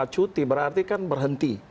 cuti berarti kan berhenti